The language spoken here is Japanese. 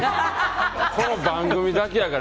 この番組だけやから。